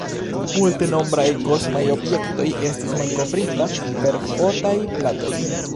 Multenombraj kosmaj objektoj estis malkovrita per fotaj platoj.